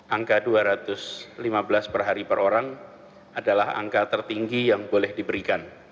angka dua ratus lima belas per hari per orang adalah angka tertinggi yang boleh diberikan